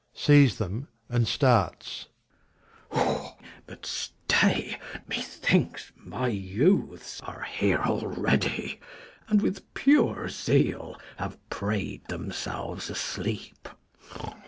[_Sees them, and starts. But stay, methinks, my youths are here already, 27 And with pure zeal have prayed themselves asleep.